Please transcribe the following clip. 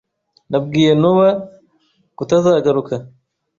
Nabwiye Nowa kutazagaruka.